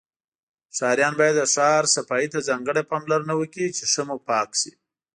ښاریان باید د شار صفایی ته ځانګړی پاملرنه وکړی چی ښه موپاک شی